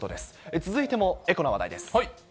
続いてもエコの話題です。